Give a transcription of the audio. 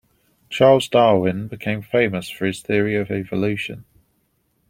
Charles Darwin became famous for his theory of evolution.